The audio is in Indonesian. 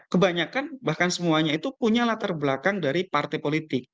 kebanyakan bahkan semuanya itu punya latar belakang dari partai politik